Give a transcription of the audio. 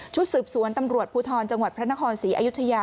สืบสวนตำรวจภูทรจังหวัดพระนครศรีอยุธยา